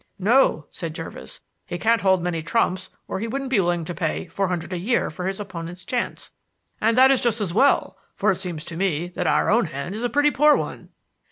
"No," said Jervis, "he can't hold many trumps or he wouldn't be willing to pay four hundred a year for his opponent's chance; and that is just as well, for it seems to me that our own hand is a pretty poor one."